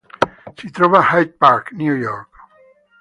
Si trova a Hyde Park, New York.